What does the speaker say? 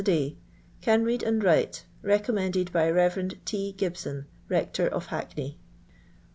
a day. Cut read and write. Beconmiended by Ber. T. Gibson, rector of Hackney.